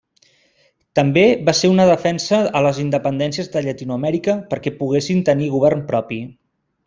També va ser una defensa a les independències de Llatinoamèrica perquè poguessin tenir govern propi.